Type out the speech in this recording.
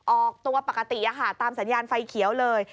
ออกตัวปกติตามสัญญาณไฟเขียวเลย